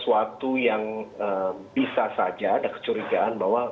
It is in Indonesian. sesuatu yang bisa saja ada kecurigaan bahwa